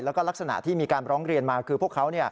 แล้วก็ลักษณะที่มีการร้องเรียนมาคือพวกเขา